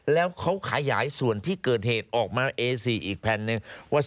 แล้วก็มีแผนที่เขตรักษาพันธุ์สัตว์ป่า